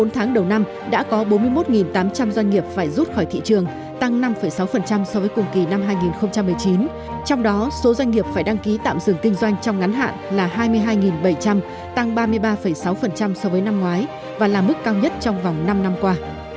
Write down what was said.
tăng ba mươi ba sáu so với năm ngoái và là mức cao nhất trong vòng năm năm qua